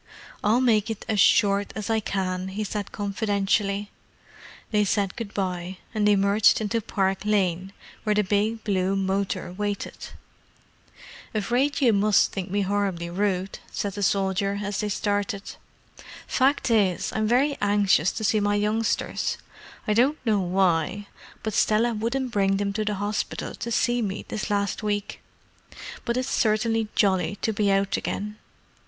"I'll make it as short as I can," he said confidentially. They said good bye, and emerged into Park Lane, where the big blue motor waited. "Afraid you must think me horribly rude," said the soldier, as they started. "Fact is, I'm very anxious to see my youngsters: I don't know why, but Stella wouldn't bring them to the hospital to see me this last week. But it's certainly jolly to be out again."